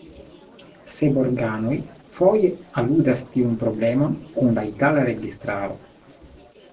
Seborganoj foje aludas tiun problemon kun la itala registaro.